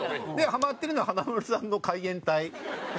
ハマってるのは華丸さんの海援隊や演歌。